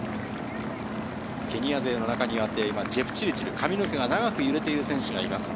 ケニア勢の中にあってジェプチルチル、髪の毛が長く揺れている選手がいます。